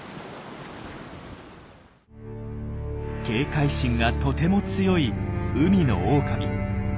警戒心がとても強い海のオオカミ。